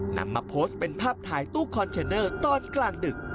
นำมาโพสต์เป็นภาพถ่ายตู้คอนเทนเนอร์ตอนกลางดึก